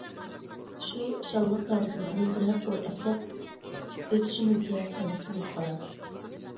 شۇ شانلىق تارىخىمىزنى بىرەر قۇر ئەسلەپ ئۆتۈشىمىزگە پايدىسى بولۇپ قالار.